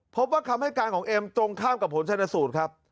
พบว่าคำให้การของเอ็มตรงข้ามกับผลชนสูตรครับ